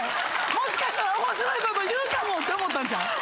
もしかしたら面白いこと言うかもって思ったんちゃう？